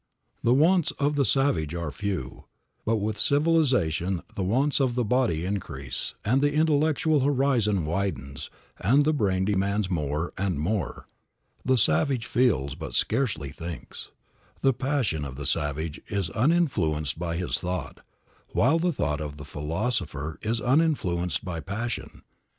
The wants of the savage are few; but with civilization the wants of the body increase, the intellectual horizon widens and the brain demands more and more. The savage feels, but scarcely thinks. The passion of the savage is uninfluenced by his thought, while the thought of the philosopher is uninfluenced by passion.